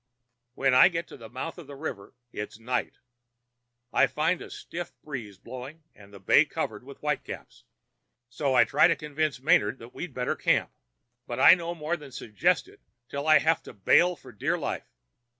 "When I get to the mouth of the river it's night. I find a stiff breeze blowing and the bay covered with whitecaps, so I try to convince Manard that we'd better camp. But I no more than suggest it till I have to bail for dear life.